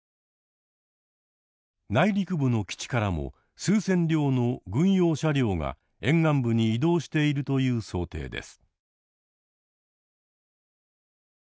内陸部の基地からも数千両の軍用車両が沿岸部に移動しているという想定です。